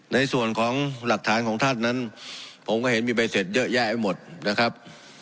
ในส่วนของหลักฐานของท่านนั้นผมก็เห็นมีใบเสร็จเยอะแยะไปหมดนะครับ